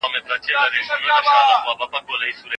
دواړه لارې د منلو وړ دي.